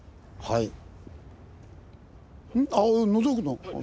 はい。